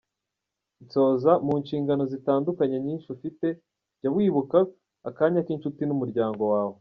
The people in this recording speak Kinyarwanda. Nsoza, mu nshingano zitandukanye nyinshi ufite, jya wibuka akanya k’inshuti n’umuryango wawe.